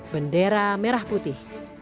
bendera merah putih